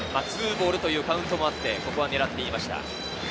２ボールというカウントもあって、ここは狙っていました。